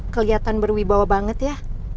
kelihatan berwibawa banget ya